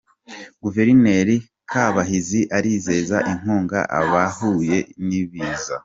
Guverineri Kabahizi arizeza inkunga abahuye n’ibiza